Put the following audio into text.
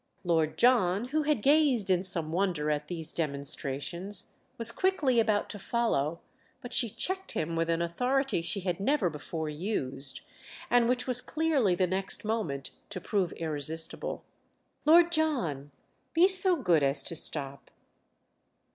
Lord John, who had gazed in some wonder at these demonstrations, was quickly about to follow, but she checked him with an authority she had never before used and which was clearly the next moment to prove irresistible. "Lord John, be so good as to stop."